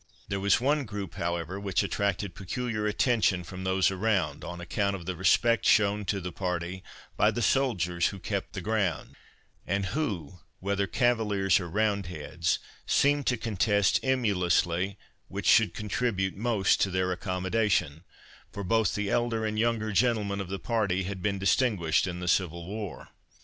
There was one group, however, which attracted peculiar attention from those around, on account of the respect shown to the party by the soldiers who kept the ground, and who, whether Cavaliers or Roundheads, seemed to contest emulously which should contribute most to their accommodation; for both the elder and younger gentlemen of the party had been distinguished in the Civil War.